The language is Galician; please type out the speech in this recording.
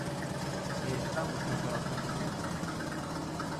E estamos no corazón do furacán.